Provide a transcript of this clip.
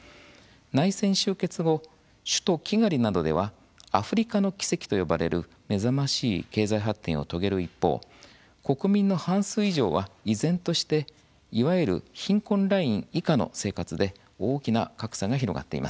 内戦終結後、首都キガリなどではアフリカの奇跡と呼ばれる目覚ましい経済発展を遂げる一方国民の半数以上は、依然としていわゆる貧困ライン以下の生活で大きな格差が広がっています。